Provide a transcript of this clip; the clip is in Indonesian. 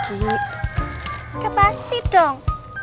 itu pasti dong